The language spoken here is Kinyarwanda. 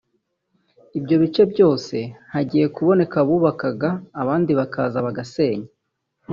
Ibyo bice byose hagiye haboneka abubakaga abandi bakaza bagasenya